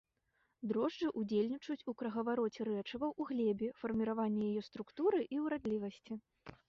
Дрожджы ўдзельнічаюць у кругавароце рэчываў у глебе, фарміраванні яе структуры і ўрадлівасці.